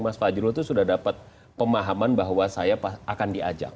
mas fajrul itu sudah dapat pemahaman bahwa saya akan diajak